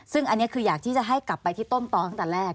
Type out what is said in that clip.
ซึ่งอันนี้คืออยากที่จะให้กลับไปที่ต้นต่อตั้งแต่แรก